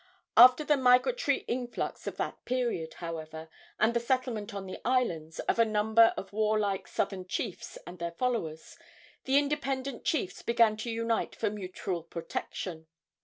After the migratory influx of that period, however, and the settlement on the islands of a number of warlike southern chiefs and their followers, the independent chiefs began to unite for mutual protection.